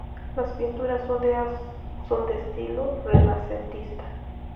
Las pinturas son de estilo renacentista.